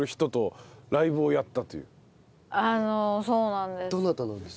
去年あのそうなんです。